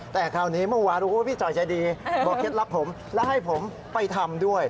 แต่คราวนี้เมื่อวานพี่จอยใจดีบอกเคล็ดลับผมแล้วให้ผมไปทำด้วย